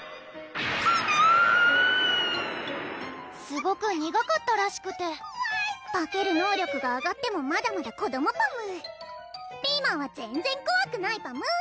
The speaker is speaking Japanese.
すごく苦かったらしくて化ける能力が上がってもまだまだ子どもパムピーマンは全然こわくないパム